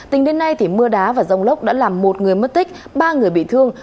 tính đến nay mưa đá và rông lốc đã làm một người mất tích ba người bị thương